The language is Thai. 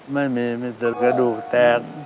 ไม่มีมีแต่กระดูกแตก